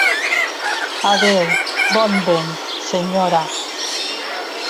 Adeu, bon vent, senyora.